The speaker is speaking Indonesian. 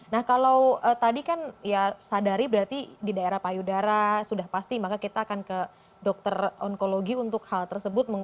nah kalau tadi kan ya sadari berarti di daerah payudara sudah pasti maka kita akan ke dokter onkologi untuk hal tersebut